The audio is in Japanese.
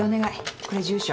これ住所。